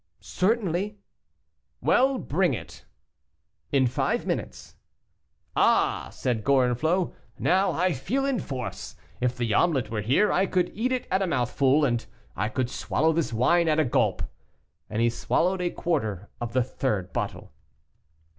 "Certainly." "Well, bring it." "In five minutes." "Ah!" said Gorenflot, "now I feel in force; if the omelet were here, I could eat it at a mouthful, and I swallow this wine at a gulp." And he swallowed a quarter of the third bottle.